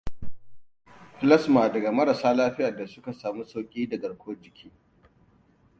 Plasma daga marasa lafiya da suka samu sauki da garkuwar jiki.